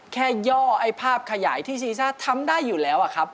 แค่ย่อภาพขยายที่ซีซ่าทำได้อยู่แล้ว